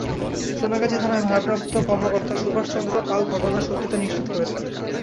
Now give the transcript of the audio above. সোনাগাজী থানার ভারপ্রাপ্ত কর্মকর্তা সুভাষ চন্দ্র পাল ঘটনার সত্যতা নিশ্চিত করেছেন।